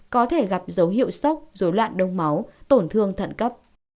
có thể gặp dấu hiệu sốc dối loạn đông máu tổn thương thận cấp